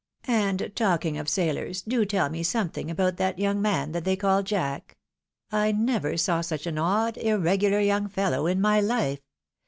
And talking of sailors, do teU me something about that young man that they call Jack. I never saw such an odd, irregular young fellow in my Mfe.